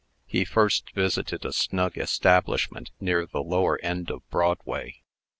He first visited a snug establishment near the lower end of Broadway.